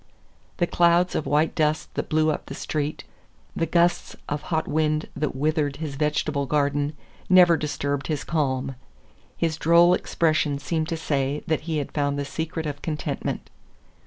The clouds of white dust that blew up the street, the gusts of hot wind that withered his vegetable garden, never disturbed his calm. His droll expression seemed to say that he had found the secret of contentment.